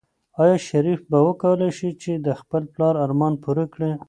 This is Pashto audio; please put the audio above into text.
آیا شریف به وکولی شي چې د خپل پلار ارمان پوره کړي؟